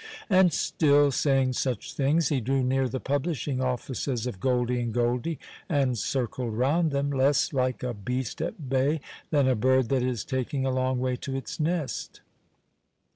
And still saying such things, he drew near the publishing offices of Goldie & Goldie, and circled round them, less like a beast at bay than a bird that is taking a long way to its nest.